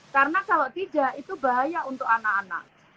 karena kalau tidak itu bahaya untuk anak anak